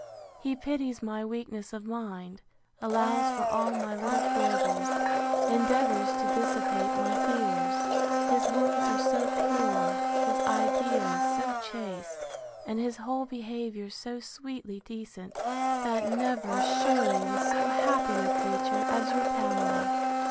He pities my weakness of mind, allows for all my little foibles, endeavours to dissipate my fears; his words are so pure, his ideas so chaste, and his whole behaviour so sweetly decent, that never, surely, was so happy a creature as your Pamela!